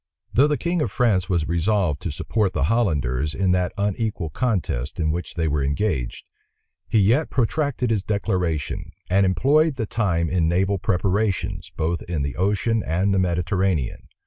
Though the king of France was resolved to support the Hollanders in that unequal contest in which they were engaged, he yet protracted his declaration, and employed the time in naval preparations, both in the ocean and the Mediterranean.